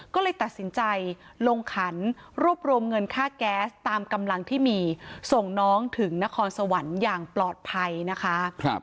ก็เลยตัดสินใจลงขันรวบรวมเงินค่าแก๊สตามกำลังที่มีส่งน้องถึงนครสวรรค์อย่างปลอดภัยนะคะ